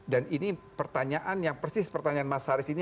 dan ini pertanyaan yang persis pertanyaan mas haris ini